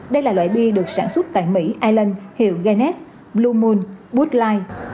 đây là loại bia được sản xuất tại mỹ island hiệu guinness blue moon woodline